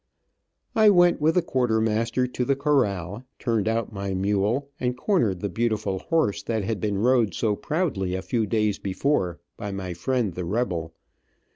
I went with the quartermaster to the corral, turned out my mule, and cornered the beautiful horse that had been rode so proudly a few days before by my friend, the rebel.